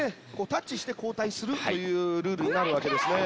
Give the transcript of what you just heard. タッチして交代するというルールになるわけですね。